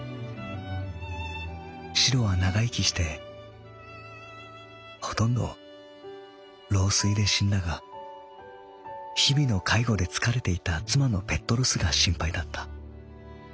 しろは長生きしてほとんど老衰で死んだが日々の介護で疲れていた妻のペットロスが心配だった。